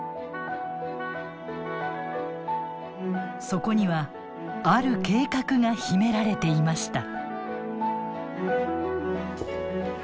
そこにはある計画が秘められていました。